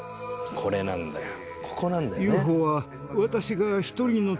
ここなんだよね。